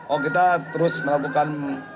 oh kita terus melakukan